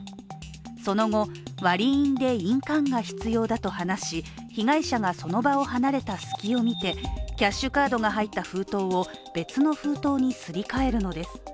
その後、割り印で印鑑が必要だと話し、被害者がその場を離れた隙を見てキャッシュカードが入った封筒を別の封筒にすり替えるのです。